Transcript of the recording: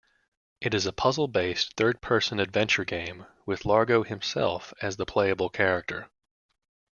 It is a puzzle-based third-person adventure game with Largo himself as the playable character.